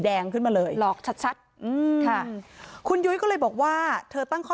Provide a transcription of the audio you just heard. แดงขึ้นมาเลยหลอกชัดคุณยุ้ยก็เลยบอกว่าเธอตั้งข้อ